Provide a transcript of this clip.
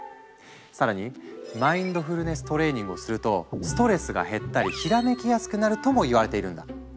更にマインドフルネス・トレーニングをするとストレスが減ったりひらめきやすくなるともいわれているんだ。